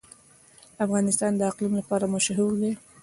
افغانستان د اقلیم لپاره مشهور دی.